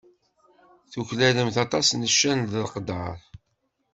Tuklalemt aṭas n ccan d leqder.